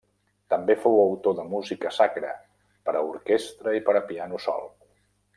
També fou autor de música sacra, per a orquestra i per a piano sol.